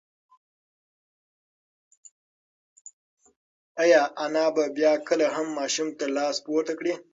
ایا انا به بیا کله هم ماشوم ته لاس پورته کړي؟